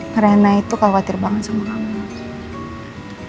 karena itu khawatir banget sama kamu